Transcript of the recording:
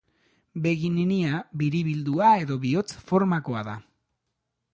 Begi-ninia biribildua edo bihotz formakoa da.